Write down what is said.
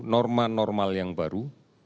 norma normal yang baru